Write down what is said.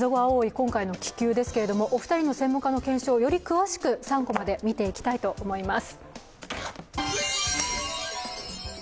今回の気球ですけれども、お二人の専門家の検証を、より詳しく「３コマ」で見ていきたいと思います。